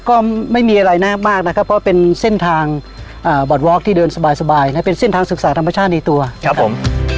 ก็ไม่มีอะไรมากนะครับเพราะเป็นเส้นทางบอดวอคที่เดินสบายเป็นเส้นทางศึกษาธรรมชาติในตัวครับผม